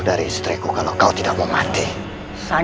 notifikasinya akan dapat powers